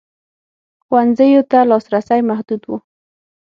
ښوونځیو ته لاسرسی محدود و.